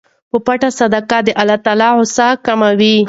په پټه صدقه د الله غصه کموي.